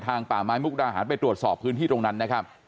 ป่าไม้มุกดาหารไปตรวจสอบพื้นที่ตรงนั้นนะครับ